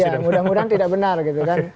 ya mudah mudahan tidak benar gitu kan